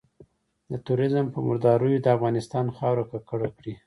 د ترورېزم په مرداریو د افغانستان خاوره ککړه کړي.